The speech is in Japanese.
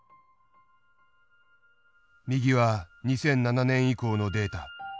右は２００７年以降のデータ。